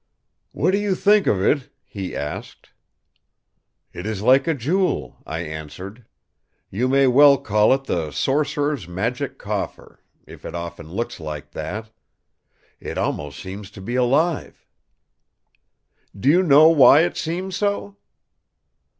"'What do you think of it?' he asked. "'It is like a jewel,' I answered. 'You may well call it the 'sorcerer's Magic Coffer', if it often looks like that. It almost seems to be alive.' "'Do you know why it seems so?